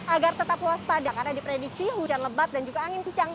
agar tetap waspada karena diprediksi hujan lebat dan juga angin kencang